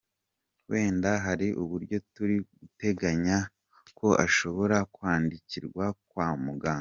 Wenda hari uburyo turi guteganya ko ashobora kwandikirwa kwa muganga.